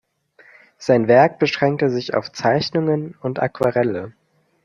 Sein Werk beschränkte sich auf Zeichnungen und Aquarelle.